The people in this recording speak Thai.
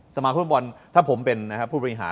มาฟุตบอลถ้าผมเป็นผู้บริหาร